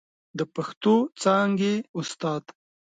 د پښتو څانګې استاد